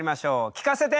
聞かせて！